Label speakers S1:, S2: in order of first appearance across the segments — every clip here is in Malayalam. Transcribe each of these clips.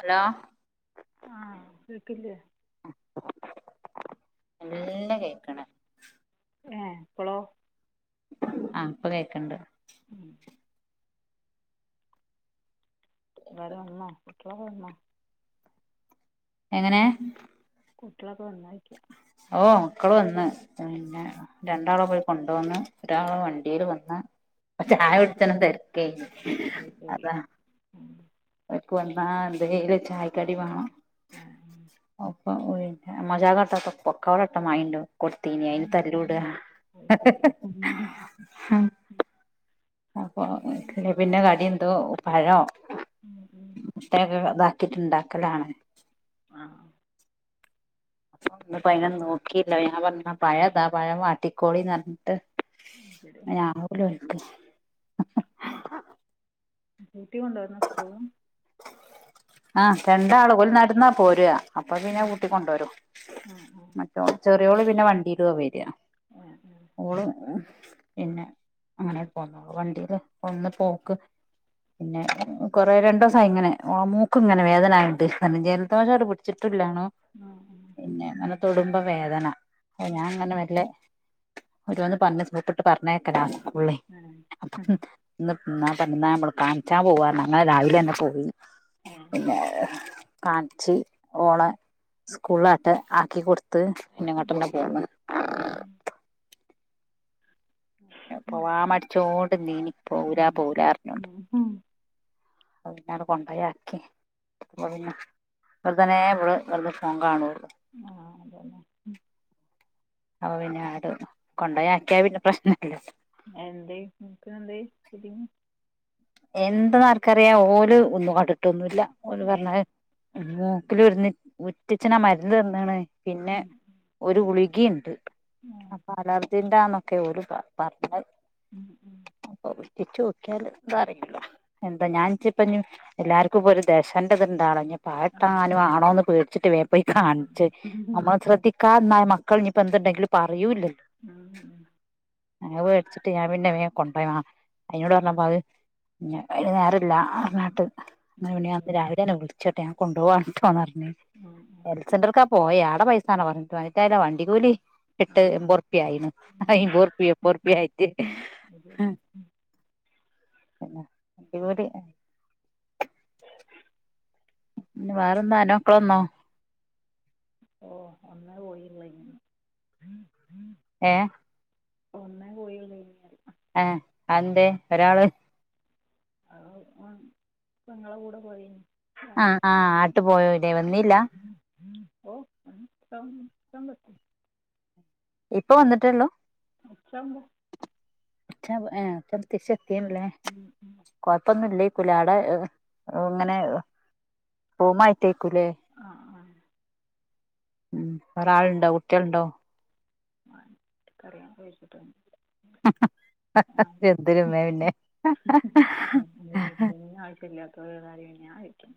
S1: അലോ?
S2: ആഹ കേക്കില്ലേ?
S1: വൊലൊ കേക്ക്ണ്.
S2: ഏ പ്പോളോ?
S1: ആഹ ഇപ്പൊ കേൾക്കണ്ട്.
S2: ഉം ള്ളേര് വന്നോ പിള്ളേര് വന്നോ.
S1: എങ്ങനെ
S2: കുട്ടികളൊക്കെ വന്നായിക്കൃ.
S1: ഓ മക്കള് വന്ന് പിന്നെ
S2: ഉം.
S1: രണ്ടാളാ പോയി കൊണ്ട് കൊടരണം. ഒരാള വണ്ടിൽ വന്ന്
S2: ആ,
S1: ചായ
S2: അത് ശരി
S1: കുടിച്ചന തിരക്കേ നു
S2: അത് ശരി.
S1: അതാ
S2: ഉം.
S1: എക്ക വന്താന്തയില ചായ് കടി വണം.
S2: ആഹ ഉ
S1: അപ്പ മജകട്ട പൊക്കോട്ട മൈടവും. കൊടുത്തീനി അയിന് തല്ലൂട.
S2: അത് ശരി ഉം,
S1: അപ്പൊ പിന്നെ കടി എന്തോ പഴം.
S2: ഉം ഉം
S1: മുട്ടയൊക്കെ ഇതാക്കിട്ടുണ്ടാക്കലാണ്.
S2: ആഹ്
S1: അപ്പൊ ഒന്ന് ഭയിന് ഒനും നോക്കിയില്ല ഞാൻ പറഞ്ഞു പഴതാ പഴം വാട്ടിക്കോളിന്ന് പറഞ്ഞിട്
S2: അത് ശരി
S1: ആവുല ഒൽക്.
S2: കുടികൊടരണ സ്കൂള്ന്.
S1: ആഹ രണ്ടാള് ഒല് നടന്നാ പോര. അപ്പൊ പിന്നെ
S2: ഉം.
S1: കൂട്ടി കൊണ്ടരും
S2: ആ ആ
S1: മറ്റോ ചെറിയോള് പിന്നെ വണ്ടിയില വരിയാ
S2: ഉം ഉം
S1: ഓള് പിന്നെ അങ്ങനെ പോന്ന വണ്ടിയില് ഒന്ന് പോക്ക് പിന്നെ കൊറെേ രണ്ട ദിവസം ഇങ്ങനെ മൂക്കും ഇങ്ങനെ വേദനായിട്ട് ജലദോഷം അടെ പിടിച്ചിട്ടില്ലാണോ
S2: ആ ഉ
S1: പിന്നെ അങ്ങനെ തൊടുമ്പ വേദന അപ്പ ഞാൻ അങ്ങനെ വല്ല ഒരു വന്ന് പറഞ്ഞപ്പിട്ട് പറഞ്ഞേക്കനാ പുള്ളി
S2: ഹേ
S1: അപ്പം ഇന്ന് പറഞ്ഞാ നമ്മൾ കാണിച്ചാ പോവാ ഞങ്ങൾ രാവിലെ തന്നെ പോവും
S2: ഏ
S1: പിന്നെ കാണിച്ചി ഓള സ്കൂളാട്ട് ആക്കിടുത്ത്
S2: ഉം,
S1: പിന്നെങ്ങോട്ട്ന്നെ പോകണം
S2: ഉം, ഉം.
S1: പിന്നെ പോവാ മടിച്ചോൊണ്ട് നീനി
S2: ഉം.
S1: പോവൂല പോവൂല പോരാറിഞ്ഞുണ്ട്
S2: ഉം. ഉം.
S1: അത് പിന്നട് കൊണ്ടു പോയാക്കി അ പിന്നെ വെറുതനെ ഇടെ വെറുതെ ഫോൺ കാണു
S2: ആ അതന്നെ
S1: അവ പിന്നെ ആട് കൊണ്ടപോ ആക്കിയാ പിന്നെ പ്രശ്നല്ലല്ലോ
S2: എന്തേ നിങ്ങക്ക് എന്ത
S1: എന്തെന്നാർക്കറിയാ ഓല് ഒന്നും കടുട്ടൊന്നുമല്ല ഓല്
S2: ഏ
S1: പറഞ്ഞാല് മൂക്കില ഒരുന്ന് ഉറ്റിച്ചനാ മരുന്ന് തന്നാണ് പിന്നെ
S2: ഉം.
S1: ഒരു ഗുളികിയുണ്ട്
S2: ആ
S1: അപ്പൊ അലർജിന്റൊന്നൊക്കെ ഒരു പറഞ്ഞഞ്
S2: ഉം, ഉം.
S1: പ്പൊട്ടിച്ച നോക്കിയല് എന്താറിയല്ലോ എന്താ ഞാൻപ്പ എല്ലാർക്കും ഇപ്പോ ഒരു ദേശേൻന്റെറെത്ന്താള പാട്ട
S2: ആ
S1: ആാനും ആണോന്ന് പേടിച്ചിട്ട് വേ പോയി
S2: ഉം.
S1: കാണിച്ചച്ച്
S2: ഉം, ഉം,
S1: നമ്മള് ശ്രദ്ധിക്ക എന്നായ മക്കളനി ഇപ്പൊ എന്തുണ്ടെങ്കിലും പറയൂലല്ലോ
S2: ഉം ഉം.
S1: അ മേടിച്ചിട്ട് ഞാ പിന്നെ കൊണ്ട പോോ വണം അതിനോട് പറഞ്ഞപ്പോ അഹ് പിന്ന അ നേരല്ലറനാട്ട്
S2: ഉം,
S1: അങ്ങനെ മ
S2: ഉം,
S1: ന്ന് രാവിലെ തന്നെ വിളിച്ചോട്ടെ ഞാൻ കൊപോകട്ടോന്ന് പറഞ്ഞു
S2: ഉം, ഉം.
S1: മെരിയസെന്റർക്കാ പോയ അടെ പൈസണ പറഞ്ഞിട്ട് വിട്ടല്ലോ വണ്ടി കൂലി
S2: ആ
S1: എട്ട് എമ്പറു പ്പായിന്നു
S2: ഏ
S1: അയിമ്പറു പ്പിയാ അയ് മ്പർ പ്പി യ ആയിറ്റ്
S2: [inaudible]
S1: ഇവടെയ് പിന്നെ വേറെന്താ അന്റെ മ ക്കള് വന്നോ?
S2: ഓ ഒന്നേ പോയില്ലന്നു
S1: ഏ
S2: ഒന്നെ പോയല്ലെന്നു പറ
S1: എ അതെന്തേ ഒരാള്
S2: ആ പെങ്ങളുടെ കൂടെ പോയിന്
S1: അ ആട്ടു പോയവിടെ വന്നില്ല
S2: ഉ ഓ സമസ്
S1: ഇപ്പൊ വന്നിട്ടൊള്ളൂ
S2: [unintelligible]
S1: ഒച്ചവു സത്തിം ലെ കൊഴപ്പൊന്നും ഇല്ലേക്കൂല അവിടെ ഇങ്ങനെ റൂമായി ട്ടേക്കൂലേ
S2: ആഹ് ആഹ്
S1: ഉം വേറാ ളുണ്ടോ കുട്ടിളുണ്ടോ?
S2: [unintelligible] ഞാൻ
S1: എന്തവേണ്ടേ
S2: [unintelligible] ക്കും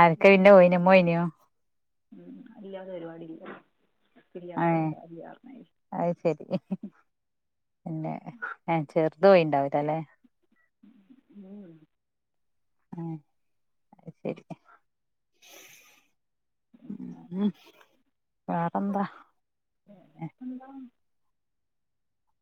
S1: ആൽ കയിന്റെ ഓയിന മൊ യിനോ
S2: ഉം കായില്ലാത്ത പരിവാടില്ല ഉപ്പില്ലാത്ത കസായില്ലറിഞ്ഞതിരി.
S1: അയ് ശരി പിന്നെ ചേർത് പോയിണ്ടാവില്ലലെ?
S2: ഏഹേ
S1: എ അയ് ശരി. വേറെന്താ? ഏ
S2: വേറെപ്പന്താ?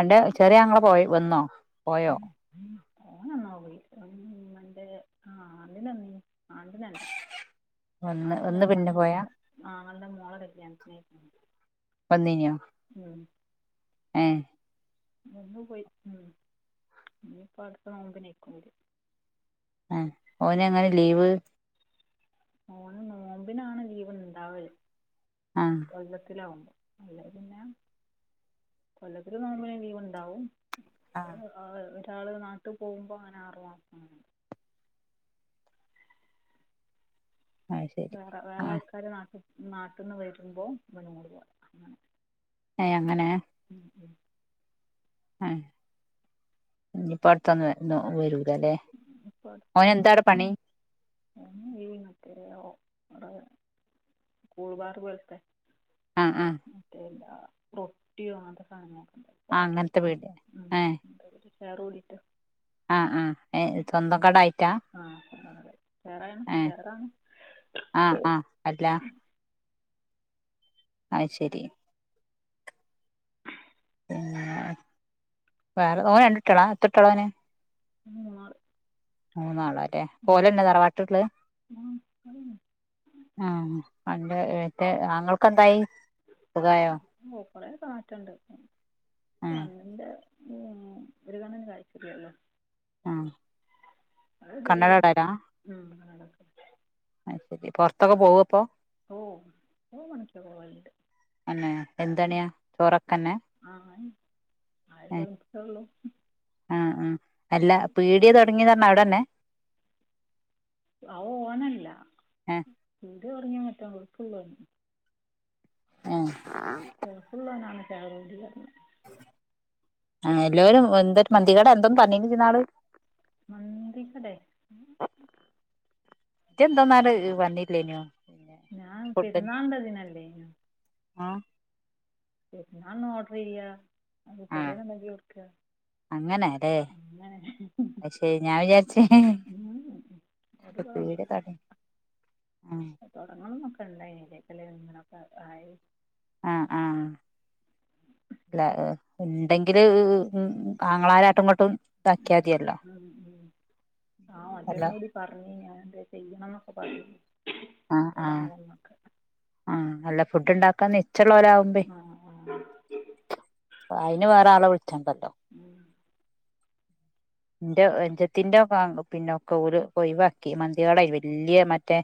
S1: അന്റെ ചെറി ആങ്ങളെ പോയ് വന്നോ പോയോ?
S2: എന്നൊപ്പോയി ആൻഡ്നെനി ആണ്ട് നല്ല. ആ
S1: വന്ന് വന്ന് പിന്നെ പോയാ
S2: ണ്ടിനത്താൻകഴിഞ്ഞില്ല ആങ്ങളട മോളെ കല്ല്യാ ത്തിനയ്ക്കണ്.
S1: വന്നീനോ ഏ
S2: വന്ന് പോയി ഉം ന്നിപ്പോ അടുത്ത നോമ്പിന്യയ്ക്കും വര?
S1: ആ ഓനങ്ങനെ ലീവ്?
S2: ഓന് നോമ്പിനാണ് ലീവ് ഇണ്ടാവല്
S1: ആ
S2: കൊല്ലത്തിലാവുമ്പോ. അല്ലങ്കിപിന്നെ കൊല്ലത്തില് നോമ്പി ന് ലീവ് ഉണ്ടാവും. ആ ഒരാള് നാട്ടി പോകുമ്പോ ഓന് ആ റ് മാസത്തിനു അങ്ങനെ വരും.
S1: അത് ശരി
S2: വേറെ വേറെ
S1: ആ
S2: ആൾക്കാര് നാട്ടിൽ നാട്ടിന്ന് വരുമ്പോ ഇബന് ഇങ്ങട്ട് പോരാ ങ്ങനെ.
S1: ഏ അങ്ങനെ?
S2: ഉം ഉം.
S1: ആ ഇനിപ്പ അടുത്തൊന്നു വരൂലല്ലേ?
S2: ഞ്ഞിപ്പൊ അടുത്ത
S1: ഓന് എന്താ അവിടെ പണി
S2: [unintelligible] [unintelligible] കൂൾബാർപോൽത്തെ?
S1: അഹ് ആ.
S2: മറ്റേ ഇല്ല റൊട്ടി [unintelligible] നങ്ങളൊക്കെ ണ്ട്
S1: ആ
S2: പൊറാട്ട
S1: അങ്ങനത്തെ വീട് ഏ
S2: [unintelligible] വേറെ ഉരീറ്റോ
S1: ആ ആ എ സ്വന്ത കടായിറ്റാ
S2: ആ വേറെ വേറെന്നു
S1: ആ ആഅല്ല ആ യ്ശരി പിന്ന വേറെ ഓന് രണ്ട്ട്ടൊളാഎത്ര ട്ടൊളാഓന്
S2: മൂ [unintelligible]
S1: മൂന്നാളാല്ലേ ഓലെന്നെ തറവാട്ട്ല്ലേ [unintelligible] ആ അന്റെ മറ്റേആങ്ങൾക്ക്ന്തായി സുഖായോ
S2: ഓ കൊറ മാറ്റണ്ട്
S1: ഉം
S2: കണ്ണിന്റെ ഉ ഒര് കണ്ണിന് കാഴ്ച്ചഇല്ല്യല്ലോ
S1: ആഹ് കണ്ണട
S2: മഴപെയ്യുല്ലഉം
S1: ഇടലാ
S2: [inaudible]
S1: അത് ശരി പൊറത്തൊക്കെ പോവോ ഇപ്പൊ
S2: ഓ [unintelligible]
S1: അന്നെ എന്തണ്യ ചോറക്കന്നെ?
S2: ആഹ് ആല്ലേനിച്ചോള്ളൂ
S1: ആ ആ അല്ല പീട്യതൊടങ്ങിനർഞ്ഞ അവടന്നെ?
S2: ആഓനല്ല
S1: ഏഹ്
S2: പീട്യ തൊടിങ്ങി മറ്റഗൾഫ് ള്ളോൻ.
S1: [unintelligible]
S2: ഫുള്ള നാക്ക് ആക [inaudible]
S1: ആ എല്ലോരും എന്ത മന്തികേടാ എന്തോന്ന് പറഞ്ഞിന്നുജ്ജ്ന്നാള്
S2: മന്തി കടെ
S1: ന്തോന്നാല്
S2: ഞാൻ
S1: പറഞ്ഞില്ല്യയ്ന്നൊഫുഡ്
S2: പെരുന്നാളിൻ്റെ അതിനല്ലേ
S1: ആഹ്
S2: പെര് ന്നാള്ന്ഓഡ്രെയാ പൊരേലൊന്നുഅല്ലെ വെക്ക
S1: അങ്ങനല്ലേ പക്ഷേ ഞാവിചാര്ച്ച്
S2: ഇത് കുഴപ്പമില്ല
S1: [unintelligible] ആഹ്
S2: തൊടങ്ങണംനൊക്കെണ്ടായ്ന്ന്ലക്കല്ലേഇങ്ങനൊക്കെ ആയി
S1: ആഹ് ആഹ് ല്ലഹ് ണ്ടെങ്കില് ഉ ആങ്ങളാരായ്ട്ട് ഇങ്ങട്ടും
S2: [unintelligible] ആഹ്
S1: അല്ല
S2: മറ്റൊന്കൂടി പറഞ് ഞാൻ ചെയ്യണംനൊക്കെ പറഞ്
S1: ആഹ് ആഹ് ആഹ് അല്ലഫുഡ്ണ്ടാക്കാ നിചെള്ളോര്ആവുമ്പേ
S2: ആ ആ
S1: അയ്ന് വേറആളെവിളിച്ചാണ്ടല്ലോ
S2: [inaudible]
S1: ന്റെ അ ഞ്ചത്തിന്റെപിന്നൊക്കെഓല് ഒയ് വാക്കി മന്തികടെയ് വെല്യേ മറ്റേ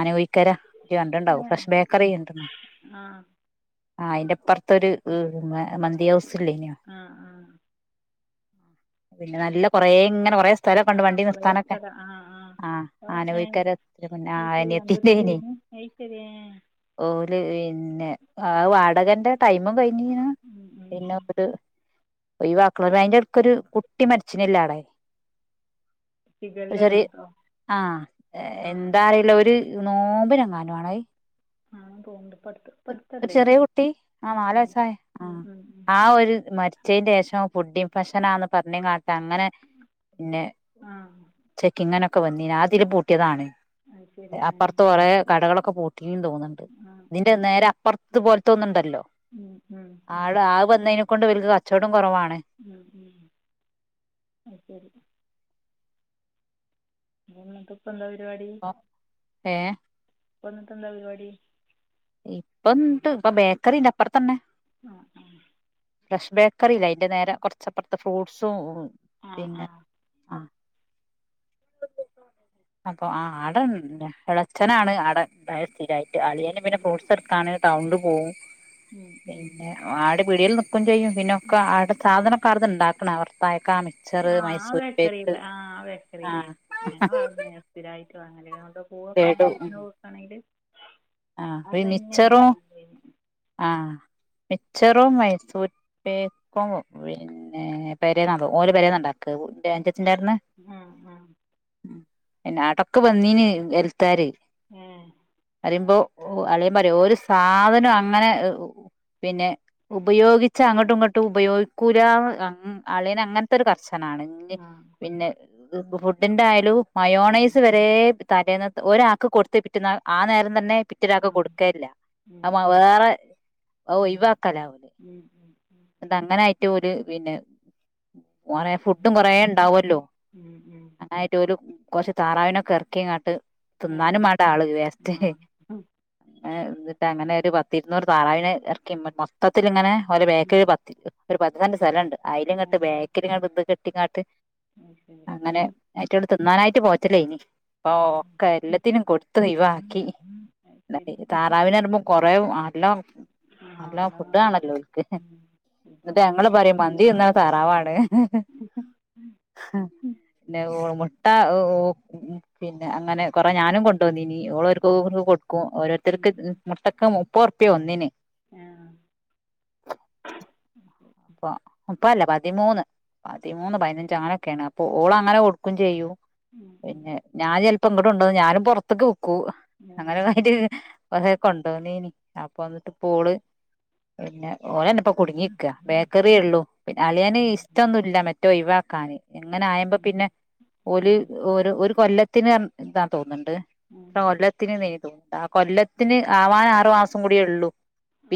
S1: അന ഒയ്ക്കര ഇയ്യ്കണ്ട്ണ്ടാവും
S2: അങ്ങനെ
S1: ഫ്രഷ് ബേക്കറി ണ്ടന്നോ
S2: ആ
S1: ആഅയ്ന്റെപ്പുറത്തൊരു മമന്തി ഹൗസ് ഇല്ലേയ്നോ
S2: ആഹ്ആഹ്
S1: പിന്നെ നല്ല കൊറേങ്ങനെകൊറേ
S2: ആഹ് കൊറയസ്ഥല ആഹ് ആഹ് ഏ
S1: ആനകുഴിക്കര പിന്നെ
S2: അശെരി
S1: അനിയത്തിന്റെനി
S2: അജജത്തിന്റെണ് അയ് ശരി ആഹ് -
S1: ഓല് ഇന്നെ ആ വാടകന്റെ ടൈമും കൈഞ്ഞീന്ന് പിന്നെ അങ്ങ്ട് ഒയ്വാക്കള അയിന്റെട്‌ക്കൊരു കുട്ടി മരിച്ചിനില്ലാടെ ഒരു
S2: ഷിഗെല്ലാണ്
S1: ചെറി
S2: കേട്ടോ
S1: ആഹ്
S2: ആ
S1: എന്താഅറിയില്ലഒര് നോബിനങ്ങാനു ആണേഹ്
S2: ആ തോൺണ്ട്പ്പട്‌ത്ത്
S1: ഒര്ചെറ്യേകുട്ടി ആനാല് വയസായെ ആആഒര്മരി ച്ചേന്റെഷംഫുഡ്ഡിംഫഷനാന്ന് പറഞ് കാട്ടഅങ്ങനെ ന്നെ
S2: ആ
S1: ചെക്കിങ്ങനൊക്കെ വന്നീന് ആതില് പൂട്ട്യേതാണ്
S2: അത് ശരി
S1: അപ്പൊർത്ത് കൊറേ കടകളൊക്കെപൂ തീംതോന്ന്ണ്ട്
S2: ആഹ്
S1: നേരെ അപ്പൊർത്ത് പോൽത്തൊന്നുണ്ടല്ലോ ആട ആവന്നയ്നെകൊണ്ട് ഇവര്ക്ക്‌ കച്ചോടം കൊറവാണ്
S2: മ് ഹ് മ് ഹ് ആ ശരി [unintelligible] ഇപ്പ എന്താ പരിപാടി
S1: ഏഹ്
S2: ഇപ്പ നിങ്ങക്കെന്തപരിപാടി
S1: ഇപ്പൊ ബേക്കറിന്റെ അപ്പറത്ത് തന്നെ
S2: ആഹ് ആഹ്
S1: ഫ്രഷ് ബേക്കറി ഇല്ലെഅതിന്റെ നേരെ കൊറച്ചപ്പുറത്തെ ഫ്രൂട്സും
S2: ആ ആ
S1: പിന്നെ ആഹ് അപ്പൊ ആട് ഒണ്ട് ഇളയച്ചനാ ആടെ സ്ഥിരമായിട്ട് അളിയ പിന്നെ ഫ്രൂട്ട്സ് എടുക്കാണ് ടൗണിൽ പോവും പിന്നെ ആട് പിടിൽ നിക്കുകയും ചെയ്യും പിന്നൊക്കെ ആടെ സാധനം കറന്നുണ്ടാക്കണ വർത്തായക്കാമി
S2: ആഹ് ആഹ് ബേക്കറിയില്ല ആ ആ ബേക്കറില്ലേ
S1: ആഹ്
S2: ഞങ്ങൾ അവ ടുന്ന വാങ്ങിത് സ്ഥിരമായിട്ട് അങ്ങനെത കൊണ്ട്
S1: ലഡു
S2: പോവക്കണെങ്കിൽ വീട്ടിനന് പോവക്കാണെങ്കിൽ
S1: ആഹ്
S2: അതന്നെയ [inaudible]
S1: മിച്ചറും ആഹ് മിച്ചറോ മൈസൂരിേക്കും പിന്നെ പെരേന്നാ ഓല പരേന്നണ്ടാക്ക അഞ്ചച്ച്ചൻ്ണ്ടായിന്ന്
S2: ആഹ് ആഹ്
S1: [inaudible]
S2: ഉം
S1: അറിയുമ്പോ അളിയുമ്പ റയും ഒരു സാധനം അങ്ങനെ പിന്നെ ഉപയോഗിച്ച അങ്ങോട്ടും ഇങ്ങോട്ടും ഉപയോഗിക്കൂല്ല അളിയന് അങ്ങനത്തെ ഒരു കർശനാണ്
S2: ആ
S1: ഫുഡിന്റെ ആയാലും
S2: ഉം
S1: മയോണൈസ് വരുന്ന ദേ തലേന്നത് ഒരാൾക്ക് കൊടുത്ത് പിറ്റന്നാള് ആ നേരം തന്നെ പിന്നൊരാക്കെ
S2: ആ
S1: കൊടുക്കേല്ല
S2: ഉം
S1: അ
S2: ഉം
S1: വേറെ അ
S2: ഉം ഉം
S1: ഒയിവാക്കലാ
S2: ഉം
S1: ഇന്നണ്ടങ്ങനൊയിട്ട് ഓല് പിന്നെ [unintelligible] ഫുഡും കൊറെേ ഉണ്ടാവല്ലോ
S2: ഉം ഉം
S1: ആായിട്ട് ഒരു കുറച്ച് താറാവിനൊക്കെ ഇറക്കിങ്ങാട്ട്
S2: ഏ
S1: തിന്നാനും വാണ്ടേ ആള് വേസ്റ്റ്
S2: ആ
S1: എന്നിട്ട് അങ്ങനെ ഒരു പത്തിരുന്നൂറ് താറാവിനെ ഇറക്കി മ മൊത്തത്തിൽ ഇങ്ങനെ ഓലെ
S2: ഉം
S1: ബേക്കില് പ ഒരു പത്ത് സെന്റ്സ്ഥലം ണ്ട് അ യില് ഇങ്ങട്ട്
S2: അങ്ങനെ
S1: ബേക്കില് [unintelligible] കുറ്റിക്കാട്ട്
S2: [unintelligible]
S1: അയിറ്റ ടെ തിന്നാനായിട്ട് പോറ്റ ലേന്ന്
S2: ഏ
S1: ഓക്കെ
S2: ഉം.
S1: എല്ലാത്തിനും കൊടുത്ത്ഒയിവാക്കി
S2: അത് ശരി
S1: താറാവിനറിമ്പോ കൊറേ [inaudible]
S2: ആ
S1: നല്ല
S2: നല്ലോണം കാണും
S1: ഫുഡ്ാണല്ലോ ൽക്ക്
S2: ഉം ഇത്
S1: ന്നട്ട് ഞങ്ങള്
S2: കാണും
S1: പറിം മന്തി തിന്ന തറാവാണ്
S2: ഉ
S1: പിന്നെ മുട്ട പിന്നെ അങ്ങനെ കൊറേ ഞാനും കൊണ്ടുവന്നുനി ഓള്ഓല്
S2: ഉം
S1: കൊക്കെ കൊടുക്കും
S2: ഉം
S1: ഓരോരുത്തർക്ക് മുട്ടക്ക മുപ്പതുറുപ്പ്യ ഒന്നിന്
S2: ആഹ്
S1: അപ്പ മുപ്പതല്ല പതിമൂന്ന് പതിമൂന്ന് പതിനഞ്ച് അങ്ങനെയൊക്കെണ് അപ്പൊ ഓള് അങ്ങനെ കൊടുക്കും ചെയ്യൂ
S2: ഉം ഉം
S1: പിന്നെ ഞാൻ ചെൽപ്പോ ഇങ്ങോട്ടു കൊണ്ടന്ന് ഞാനും പൊറത്തേക്ക് വിക്കൂ
S2: ഏ
S1: അങ്ങനെ ക്കെ കാര് കൊറെ കൊണ്ടോന്നീനി അപ്പ വന്നിട്ട് ഓള് പിന്നെ ഓലന്നപ്പ കുടുങ്ങി നിക്കാ ബേക്കറി ഉള്ളൂ പിന്നെ അളിയന്
S2: സമ്മതം.
S1: ഇഷ്ടൊന്നുല്ല മറ്റേ ഒയിവാക്കാന് ഇങ്ങനെ
S2: ഉം
S1: ആയ്പ
S2: ഉം
S1: പിന്നെ
S2: ഉം
S1: ഓല് ഒരു കൊല്ലത്തിന് റ ഇന്താ തോന്നുന്നുണ്ട്
S2: ഉം
S1: ഇത്ര കൊല്ലത്തിന് നെയ്തു ആ കൊല്ലത്തിന് ആവാൻ ആറു മാസം കൂടി ഉള്ളു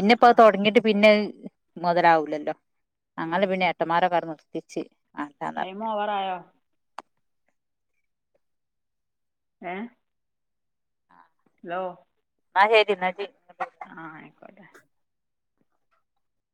S2: ആ ആ
S1: അത് തൊടങ്ങിട്ട് പിന്നെ മുതലാവൂലല്ലോ
S2: ഉം
S1: അങ്ങെനെ പിന്നെ [unintelligible] പറഞ്ഞ്
S2: ടൈമോ ഓവറായോ ഏഹ് ഹലോ
S1: ഇന്നാ ശെരി
S2: ആഹ ആയിക്കോട്ടെ